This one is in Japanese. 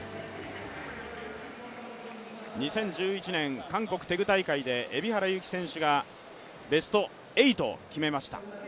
２０１１年、韓国テグ大会で海老原有希選手がベスト８を決めました。